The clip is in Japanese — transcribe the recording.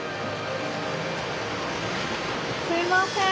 すいません。